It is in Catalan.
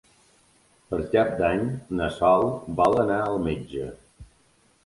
Per Cap d'Any na Sol vol anar al metge.